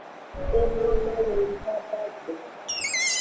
E mlonanyi kaba go.